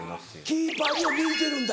キーパーには向いてるんだ。